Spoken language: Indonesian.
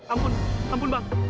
ampun ampun bang